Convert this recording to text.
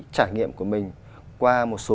trải nghiệm của mình qua một số